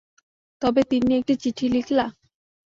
তবে তিন্নি একটি চিঠি লিখলা।